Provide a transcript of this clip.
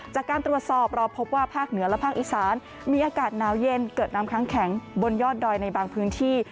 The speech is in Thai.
จากการตรวจสอบเราพบว่าภาคเหนือและภาคอีสานมีอากาศหนาวเย็นเกิดน้ำค้างแข็งบนยอดดอยในบางพื้นที่